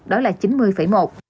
đó là chín mươi một